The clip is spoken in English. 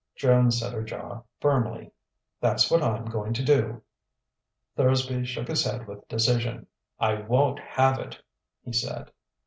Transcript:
Joan set her jaw firmly. "That's what I'm going to do." Thursby shook his head with decision. "I won't have it," he said.